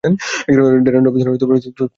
Darren রবিনসনের স্থলাভিষিক্ত হন তিনি।